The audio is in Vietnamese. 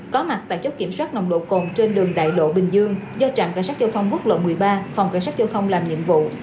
có mặt tại chốt kiểm soát nồng độ cồn trên đường đại lộ bình dương do trạm cảnh sát giao thông quốc lộ một mươi ba phòng cảnh sát giao thông làm nhiệm vụ